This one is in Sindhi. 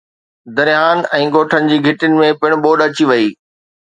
درياهن ۽ ڳوٺن جي گهٽين ۾ پڻ ٻوڏ اچي وئي